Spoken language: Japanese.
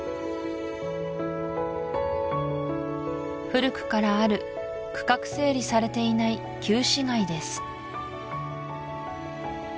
古くからある区画整理されていない旧市街です